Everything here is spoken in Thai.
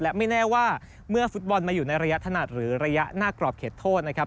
และไม่แน่ว่าเมื่อฟุตบอลมาอยู่ในระยะถนัดหรือระยะหน้ากรอบเขตโทษนะครับ